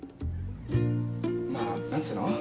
まあ何つうの？